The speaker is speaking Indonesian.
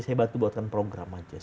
saya bantu buatkan program aja